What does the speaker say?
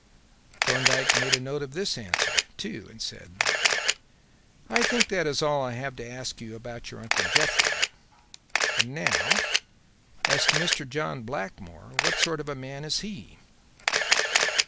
Thorndyke made a note of this answer, too, and said: "I think that is all I have to ask you about your uncle Jeffrey. And now as to Mr. John Blackmore. What sort of man is he?"